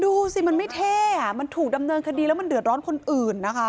ดูสิมันไม่เท่อ่ะมันถูกดำเนินคดีแล้วมันเดือดร้อนคนอื่นนะคะ